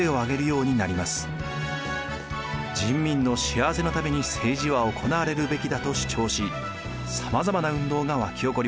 人民の幸せのために政治は行われるべきだと主張しさまざまな運動が沸き起こりました。